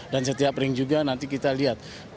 dan setiap ring juga nanti kita lihat